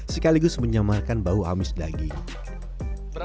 sekaligus menyamarkan bau bau ini dengan kelembapan airnya